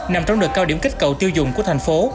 nằm trong đợt cao điểm kích cầu tiêu dùng của thành phố